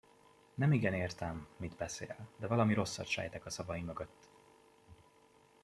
Nemigen értem, mit beszél, de valami rosszat sejtek a szavai mögött.